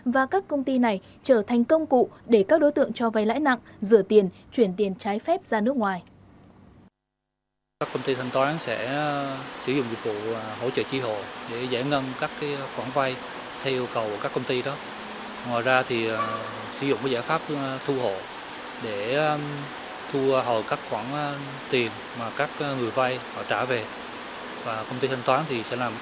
và các công ty này trở thành công cụ để các đối tượng cho vay lãi nặng rửa tiền chuyển tiền trái phép ra nước ngoài